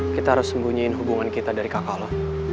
kita harus sembunyiin hubungan kita dari kakak allah